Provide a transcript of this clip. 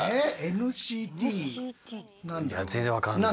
全然分かんない。